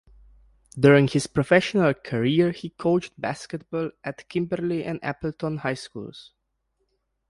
During his professional career he coached basketball at Kimberly and Appleton high schools.